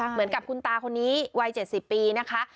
เหมือนกับคุณตาคนนี้วัย๗๐ปีนะคะ